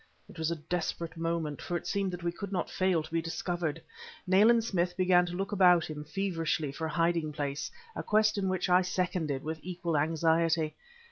It was a desperate moment, for it seemed that we could not fail to be discovered. Nayland Smith began to look about him, feverishly, for a hiding place, a quest in which I seconded with equal anxiety.